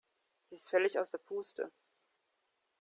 Sie ist völlig aus der Puste.